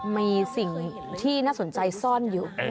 มีสิ่งที่น่าสนใจซ่อนอยู่